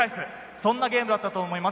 そんなゲームだったと思います。